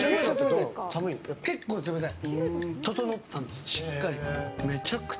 結構冷たい。